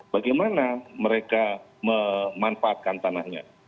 bagaimana mereka memanfaatkan tanahnya